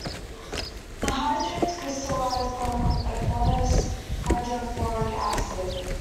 The hydrates crystallize from aqueous hydrofluoric acid.